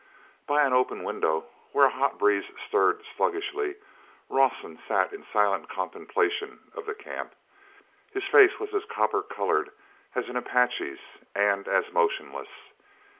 By an open window, where a hot breeze stirred sluggishly, Rawson sat in silent contemplation of the camp. His face was as copper colored as an Apache's and as motionless.